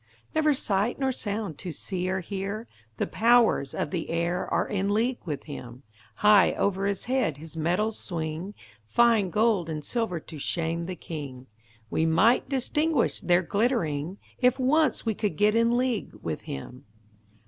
Never sight nor sound to see or hear; The powers of the air are in league with him; High over his head his metals swing, Fine gold and silver to shame the king; We might distinguish their glittering, If once we could get in league with him.